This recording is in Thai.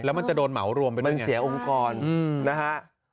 แล้วมันจะโดนเหมารวมไปไหมมันเสียองค์กรนะฮะ